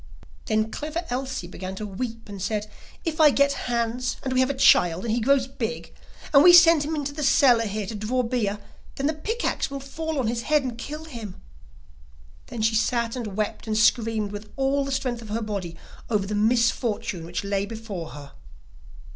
Then Clever Elsie began to weep and said: 'If I get Hans, and we have a child, and he grows big, and we send him into the cellar here to draw beer, then the pick axe will fall on his head and kill him.' Then she sat and wept and screamed with all the strength of her body, over the misfortune which lay before her.